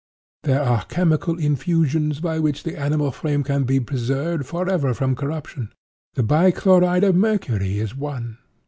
There are chemical infusions by which the animal frame can be preserved forever from corruption; the bi chloride of mercury is one.